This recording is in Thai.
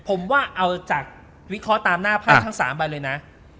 ผมว่าเอาจากวิเคราะห์ตามหน้าภาพทั้ง๓ใบเลยนะ